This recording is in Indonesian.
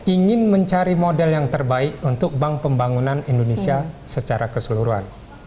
ingin mencari model yang terbaik untuk bank pembangunan indonesia secara keseluruhan